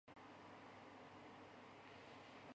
星空凛